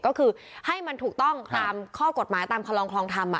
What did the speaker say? ก็คือให้มันถูกต้องตามข้อกฎหมายตามคลองคลองธรรม